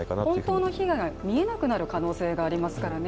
本当の被害が見えなくなる可能性がありますからね。